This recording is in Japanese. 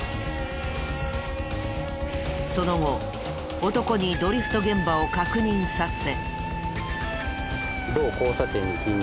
その後男にドリフト現場を確認させ。